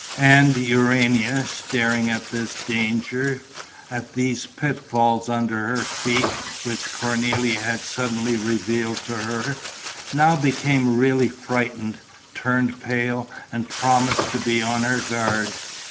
And Urania, staring at this danger, at these pit falls under her feet which Cornélie had suddenly revealed to her, now became really frightened, turned pale and promised to be on her guard.